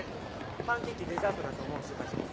パンケーキデザートだと思う人たちですか？